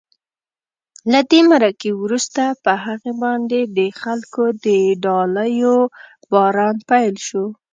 له دې مرکې وروسته په هغې باندې د خلکو د ډالیو باران پیل شو.